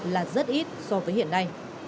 là rất ít so với hiện nay